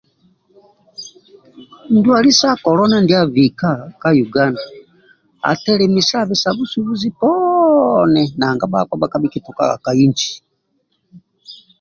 Ndwali sa kolona ndia abika ka Uganda atelemisabe sa busubuli poni nanga bhakpa bhakabhi kitukaga ka inji.